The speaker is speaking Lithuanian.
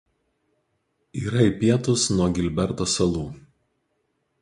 Yra į pietus nuo Gilberto salų.